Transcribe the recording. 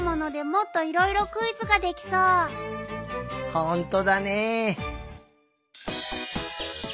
ほんとだね。